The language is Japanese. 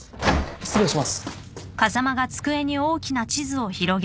失礼します。